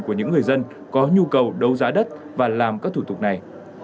của những người dân có nhu cầu đấu giá đất và làm các thủ tục này